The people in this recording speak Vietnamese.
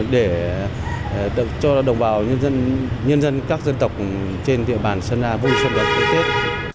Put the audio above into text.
để cho đồng bào nhân dân các dân tộc trên địa bàn sơn la vui sự đợt của tết